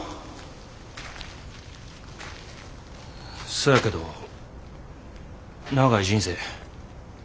そやけど長い人生。